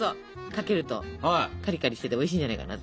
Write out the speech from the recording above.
かけるとカリカリしてておいしいんじゃないかな。